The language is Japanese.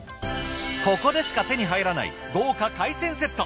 ここでしか手に入らない豪華海鮮セット。